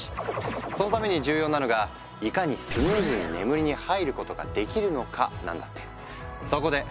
そのために重要なのがいかにスムーズに眠りに入ることができるのかなんだって。